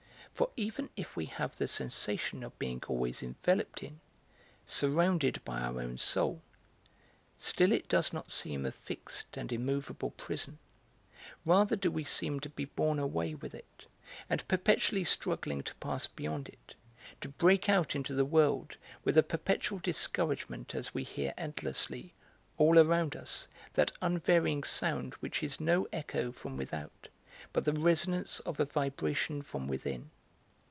For even if we have the sensation of being always enveloped in, surrounded by our own soul, still it does not seem a fixed and immovable prison; rather do we seem to be borne away with it, and perpetually struggling to pass beyond it, to break out into the world, with a perpetual discouragement as we hear endlessly, all around us, that unvarying sound which is no echo from without, but the resonance of a vibration from within.